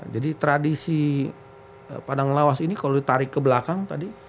jadi tradisi padang lawas ini kalau ditarik ke belakang tadi